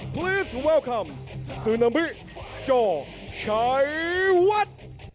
ขอบคุณครับซึนามิจอชายวัด